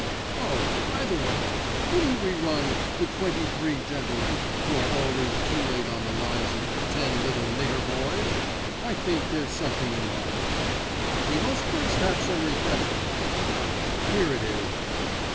"Oh! by the way, couldn't we run 'The Twenty three Gentlemen who are always too late' on the lines of 'Ten Little Nigger Boys?' I think there's something in that. "But we must first have some refreshment. Ah! here it is."